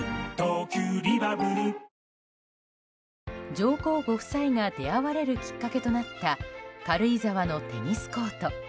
上皇ご夫妻が出会われるきっかけとなった軽井沢のテニスコート。